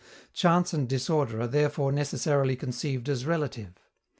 Chance and disorder are therefore necessarily conceived as relative.